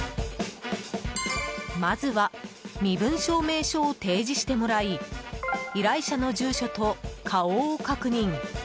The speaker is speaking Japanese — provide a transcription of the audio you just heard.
まずは身分証明書を提示してもらい依頼者の住所と顔を確認。